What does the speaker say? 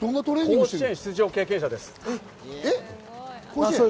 甲子園出場経験者です。